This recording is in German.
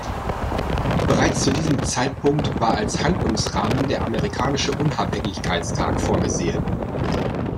Bereits zu diesem Zeitpunkt war als Handlungsrahmen der amerikanische Unabhängigkeitstag vorgesehen.